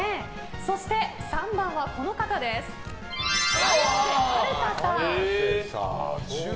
そして３番は綾瀬はるかさん。